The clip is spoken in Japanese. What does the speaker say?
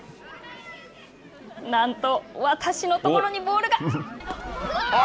なんと、私のところにボールが。